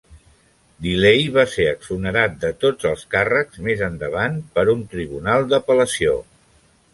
DeLay va ser exonerat de tots els càrrecs més endavant per un tribunal d'apel·lació.